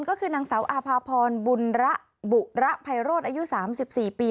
ก็คือนางสาวอาภาพรบุระไพโรธอายุสามสิบสี่ปี